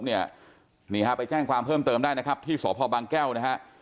นี่ฮะไปแจ้งความเพิ่มเติมได้นะครับที่สพบางแก้วนะฮะ